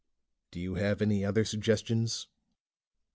"Do you have any other suggestions?"